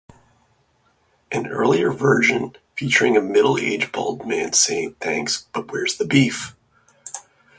An earlier version, featuring a middle-aged bald man saying, Thanks, but where's the beef?